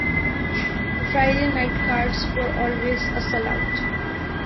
The Friday night cards were always a sellout.